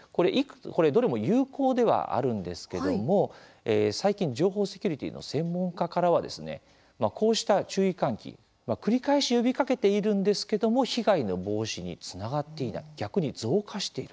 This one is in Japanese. どれも有効ではあるんですけども最近、情報セキュリティーの専門家からはこうした注意喚起、繰り返し呼びかけているんですけれども被害の防止につながっていない逆に増加している。